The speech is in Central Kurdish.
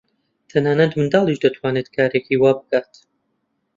تەنانەت منداڵیش دەتوانێت کارێکی وا بکات.